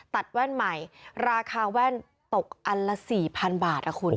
แว่นใหม่ราคาแว่นตกอันละ๔๐๐๐บาทคุณ